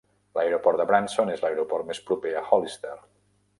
L'Aeroport de Branson és l'aeroport més proper a Hollister.